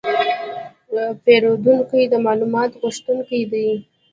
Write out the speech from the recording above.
پیرودونکي د معلوماتو غوښتونکي دي.